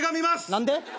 何で？